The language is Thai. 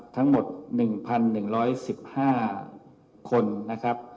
ทั้งหมด๑๑๑๕คนนะครับ